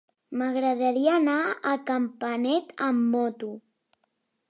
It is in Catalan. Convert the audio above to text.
M'agradaria anar a Campanet amb moto.